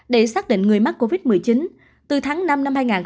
để xác định người mắc covid một mươi chín từ tháng năm năm hai nghìn hai mươi